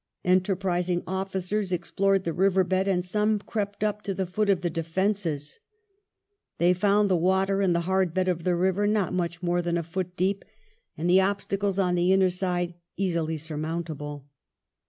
Enterprising officers explored the river bed, and some crept up to the foot of the de fences. They found the water in the hard bed of the river not much more than a foot deep, and the obstacles on the inner side easily surmountable.